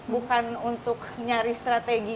bukan untuk nyari strategi